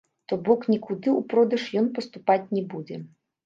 То бок нікуды ў продаж ён паступаць не будзе.